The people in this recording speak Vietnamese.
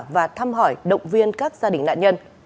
và thăm hỏi động viên các gia đình nạn nhân